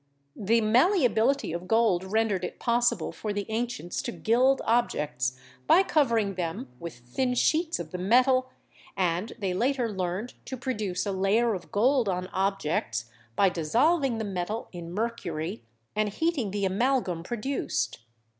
The malleability of gold rendered it possible for the ancients to gild objects by covering them with thin sheets of the metal, and they later learned to produce a layer of gold on objects by dissolving the metal in mercury and heating the amalgam produced.